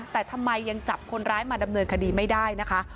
แต่ทำไมยังจับคนร้ายมาดำเนินคดีไม่ได้นะคะ